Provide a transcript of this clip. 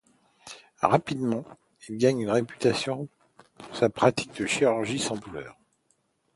Rapidement, il gagne une réputation pour sa pratique de chirurgie sans douleur.